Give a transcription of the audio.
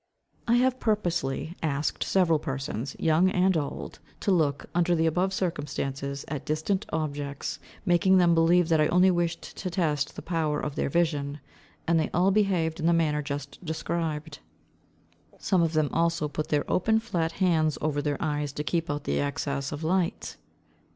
I have purposely asked several persons, young and old, to look, under the above circumstances, at distant objects, making them believe that I only wished to test the power of their vision; and they all behaved in the manner just described. Some of them, also, put their open, flat hands over their eyes to keep out the excess of light.